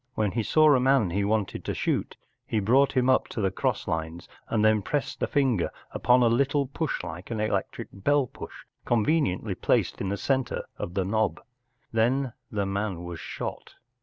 When he saw a man he wanted to shoot he brought him up to the cross lines, and then pressed a finger upon a little push like an electric bell push, conveniently placed in the centre of the knob. Then the man was shot.